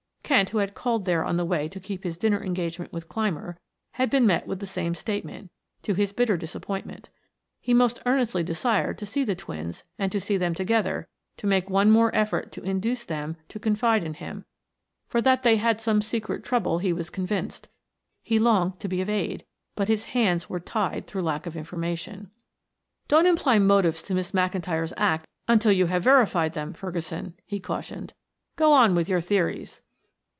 Kent, who had called there on the way to keep his dinner engagement with Clymer, had been met with the same statement, to his bitter disappointment. He most earnestly desired to see the twins and to see them together, to make one more effort to induce them to confide in him; for that they had some secret trouble he was convinced; he longed to be of aid, but his hands were tied through lack of information. "Don't imply motives to Miss McIntyre's act until you have verified them, Ferguson," he cautioned. "Go on with your theories."